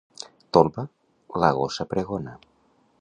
Tolba, la gossa pregona.